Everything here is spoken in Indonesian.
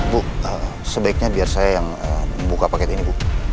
bu sebaiknya biar saya yang buka paket ini bu